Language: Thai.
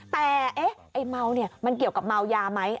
แต่ไอ้เมาเนี่ยมันเกี่ยวกับเมายาไหม